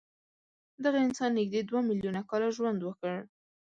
دغه انسان نږدې دوه میلیونه کاله ژوند وکړ.